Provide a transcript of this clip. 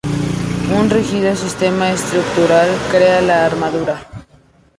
Un rígido sistema estructural crea la armadura.